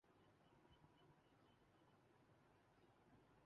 کبھی کبھار خیالوں میں کھو جاتا ہوں